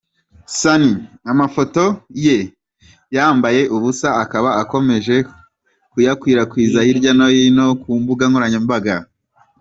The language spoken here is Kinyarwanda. Sunny amafoto ye yambaye ubusa akaba akomeje kuyakwirakwiza hirya no hino ku mbuga nkoranyambaga.